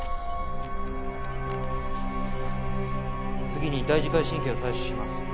次に大耳介神経を採取します。